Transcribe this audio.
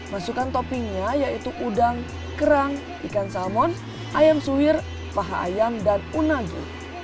masukkan toppingnya yaitu udang kerang ikan salmon ayam suwir paha ayam dan unagi